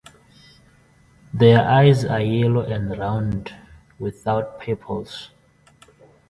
Their eyes are yellow and round, without pupils.